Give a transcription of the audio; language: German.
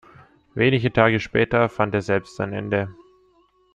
Wenige Tage später fand er selbst sein Ende.